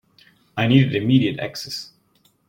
I needed immediate access.